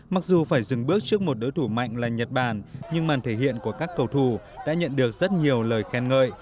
mặc dù phải dừng bước trước một đối thủ mạnh là nhật bản nhưng màn thể hiện của các cầu thủ đã nhận được rất nhiều lời khen ngợi